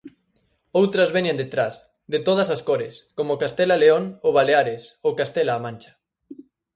Outras veñen detrás, de todas as cores, como Castela-León ou Baleares ou Castela-A Mancha.